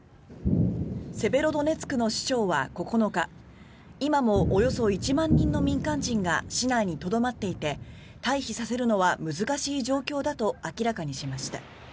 セベロドネツクの市長は９日今もおよそ１万人の民間人が市内にとどまっていて退避させるのは難しい状況だと明らかにしました。